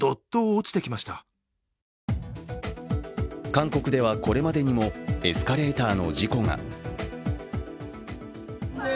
韓国ではこれまでにもエスカレーターの事故が。